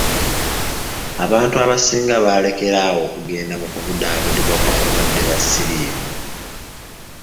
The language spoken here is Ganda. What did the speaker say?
Abantu abasinga baalekera awo okugenda mubkubuddaabudibwakw'abalwadde ba siriimu.